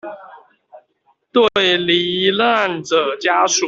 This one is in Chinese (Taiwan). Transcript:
對罹難者家屬